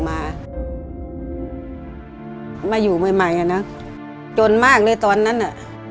มามาอยู่ใหม่ใหม่อ่ะนะจนมากเลยตอนนั้นอ่ะ